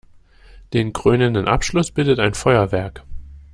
Den krönenden Abschluss bildet ein Feuerwerk.